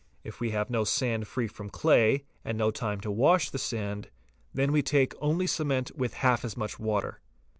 If we have no sand free from clay, and no time to wash the sand, then we take only cement with half as much water.